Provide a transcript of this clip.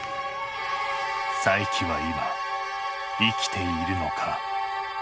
佐伯は今生きているのか？